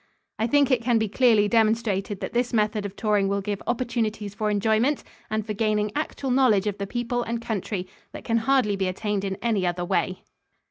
I think it can be clearly demonstrated that this method of touring will give opportunities for enjoyment and for gaining actual knowledge of the people and country that can hardly be attained in any other way.